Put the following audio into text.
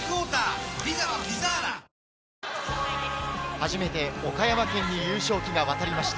初めて岡山県に優勝旗が渡りました。